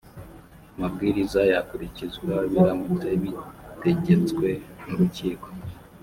amabwiriza yakurikizwa biramutse bitegetswe n urukiko